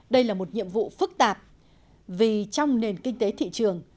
đây là một nhiệm vụ phức tạp vì trong nền kinh tế thị trường